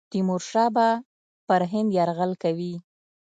تیمورشاه به پر هند یرغل کوي.